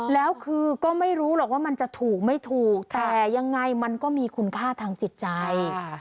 แล้วคือก็ไม่รู้หรอกว่ามันจะถูกไม่ถูกแต่ยังไงมันก็มีคุณค่าทางจิตใจ